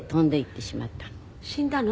死んだの？